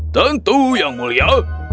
tentu yang mulia